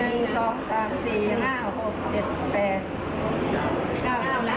เออไปชมภาพค่ะ